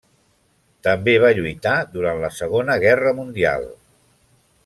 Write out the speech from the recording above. També va lluitar durant la Segona Guerra Mundial.